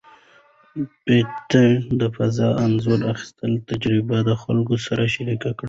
پېټټ د فضا انځور اخیستلو تجربه د خلکو سره شریکه کړه.